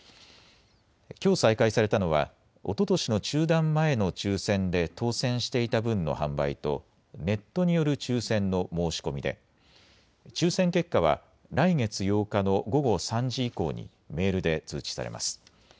きょう再開されたのはおととしの中断前の抽せんで当選していた分の販売とネットによる抽せんの申し込みで抽せん結果は来月８日の午後３時以降にメールで通知されます。